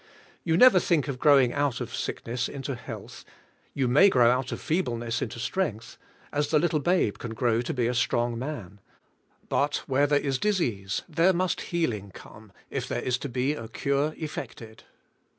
You never think of growing out of sickness into health; you may grow out of feebleness into strength, as the little CARNAL CHRISTIANS 21 babe can grow to be a strong man ; but where there is disease, there must healing come if there is to be a cure effected.